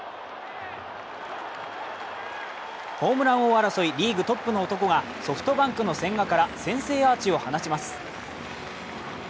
ホームラン王争い、リーグトップの男がソフトバンクの千賀から先制アーチを放ちます。